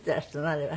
あれは。